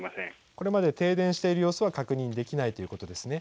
これまで停電している様子は確認できないということですね。